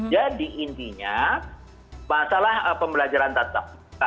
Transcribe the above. jadi intinya masalah pembelajaran tetap